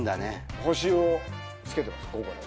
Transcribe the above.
星をつけてます